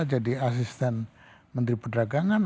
jadi asisten menteri perdagangan